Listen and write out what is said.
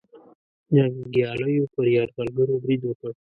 جنګیالیو پر یرغلګرو برید وکړ.